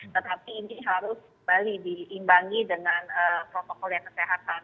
tetapi ini harus kembali diimbangi dengan protokol yang kesehatan